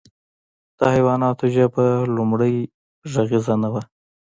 د حیواناتو ژبه لومړۍ غږیزه نه وه.